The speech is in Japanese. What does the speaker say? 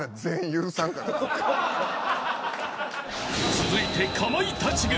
［続いてかまいたち軍］